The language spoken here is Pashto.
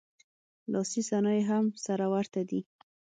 لاسي صنایع یې هم سره ورته دي